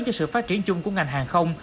cho sự phát triển chung của ngành hàng không